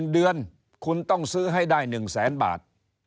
๑เดือนคุณต้องซื้อให้ได้๑แสนบาท